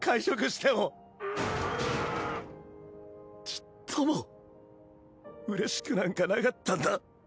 ちっともうれしくなんかなかったんだ。